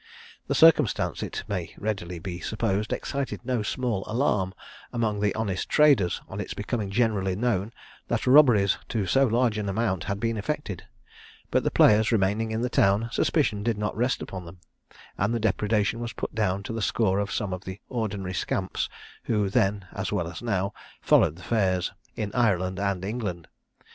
The circumstance, it may readily be supposed, excited no small alarm among the honest traders, on its becoming generally known that robberies to so large an amount had been effected; but the players remaining in the town, suspicion did not rest upon them, and the depredation was put down to the score of some of the ordinary scamps who then, as well as now, followed the fairs, in Ireland and England.